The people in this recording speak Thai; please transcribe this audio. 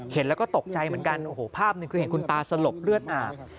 เห็นแล้วก็ตกใจเหมือนกันโอ้โหภาพหนึ่งคือเห็นคุณตาสลบเลือดอาบ